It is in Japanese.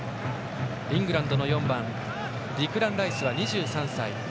イングランドの４番ディクラン・ライスは２３歳。